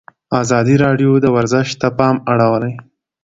ازادي راډیو د ورزش ته پام اړولی.